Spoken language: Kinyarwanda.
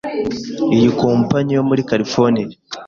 Iyi kompanyi yo muri California